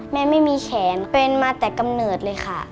ไม่มีแขนเป็นมาแต่กำเนิดเลยค่ะ